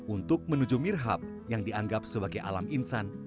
untuk menuju mirhab yang dianggap sebagai alam insan